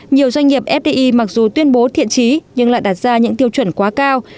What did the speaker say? nhiều doanh nghiệp fdi mặc dù tuyên bố thiện trí nhưng lại đặt ra những tiêu chuẩn quá cao